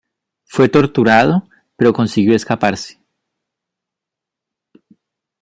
Fue torturado, pero consiguió escaparse.